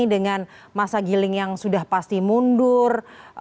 dengan masa giling yang sudah pasti mundur